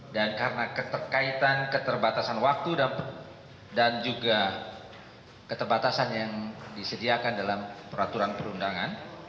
dan karena keterkaitan keterbatasan waktu dan juga keterbatasan yang disediakan dalam peraturan perundangan